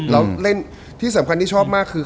แล้วเล่นที่สำคัญที่ชอบมากคือ